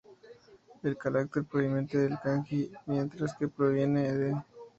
El carácter む proviene del kanji 武, mientras que ム proviene de 牟.